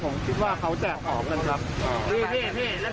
ผมคิดว่าเขาแจกของกันครับ